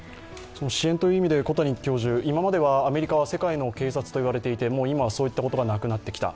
支援という意味で、今まではアメリカは世界の警察といわれてきて今はそういったことがなくなってきた。